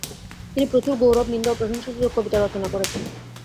তিনি প্রচুর গৌরব, নিন্দা ও প্রশংসাসূচক কবিতা রচনা করেছেন।